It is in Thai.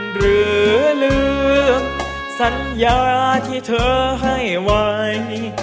หรือลืมสัญญาที่เธอให้ไว้